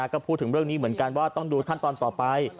ก็พูดถึงเรื่องนี้เหมือนกันว่าต้องดูขั้นตอนต่อไป